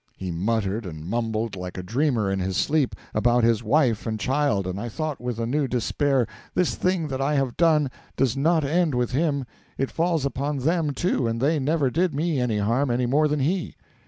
He muttered and mumbled like a dreamer in his sleep, about his wife and child; and I thought with a new despair, 'This thing that I have done does not end with him; it falls upon them too, and they never did me any harm, any more than he.'